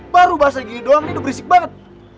baru bahasa gini doang ini udah berisik banget